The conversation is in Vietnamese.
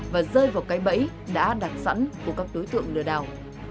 và rơi vào cái bẫy đã đặt sẵn của các đối tượng lừa đảo